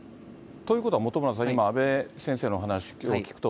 ということは、本村さん、今、阿部先生のお話を聞くと、